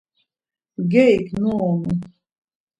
Mgerik nuonu.